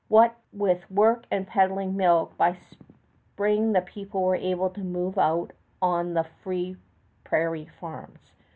What with work and peddling milk, by spring the people were able to move out on the free prairie farms.